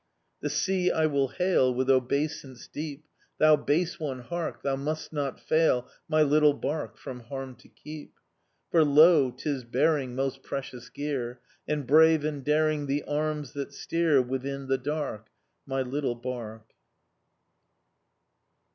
The sea I will hail With obeisance deep: "Thou base one, hark! Thou must not fail My little barque From harm to keep!" For lo! 'tis bearing Most precious gear, And brave and daring The arms that steer Within the dark My little barque.